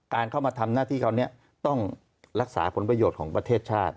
เข้ามาทำหน้าที่คราวนี้ต้องรักษาผลประโยชน์ของประเทศชาติ